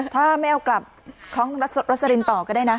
ถ้าไม่เอากลับคล้องรสลินต่อก็ได้นะ